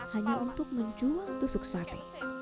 hanya untuk menjual tusuk sate